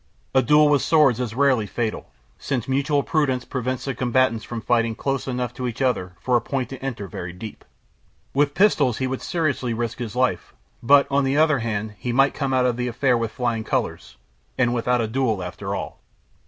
A duel with swords is rarely fatal, since mutual prudence prevents the combatants from fighting close enough to each other for a point to enter very deep. With pistols he would seriously risk his life; but, on the other hand, he might come out of the affair with flying colors, and without a duel, after all.